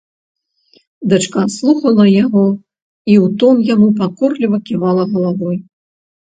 Дачка слухала яго і ў тон яму пакорліва ківала галавой.